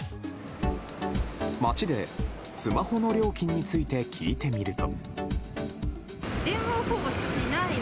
街でスマホの料金について聞いてみると。